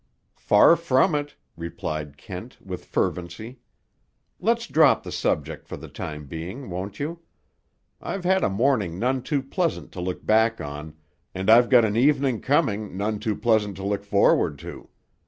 "Far from it," replied Kent, with fervency. "Let's drop the subject for the time being, won't you? I've had a morning none too pleasant to look back on, and I've got an evening coming none too pleasant to look forward to.